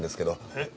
えっ？